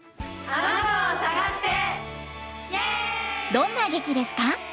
どんな劇ですか？